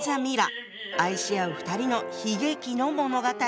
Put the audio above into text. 愛し合う２人の悲劇の物語。